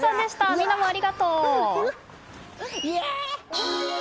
みんなもありがとう！